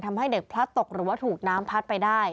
ทำให้เด็กพลัดตกหรือว่าถูกน้ำพัดไปได้